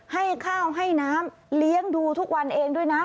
ให้ข้าวให้น้ำเลี้ยงดูทุกวันเองด้วยนะ